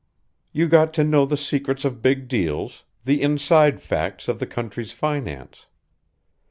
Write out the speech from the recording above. "You got to know the secrets of big deals, the inside facts of the country's finance.